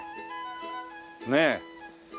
ねえ。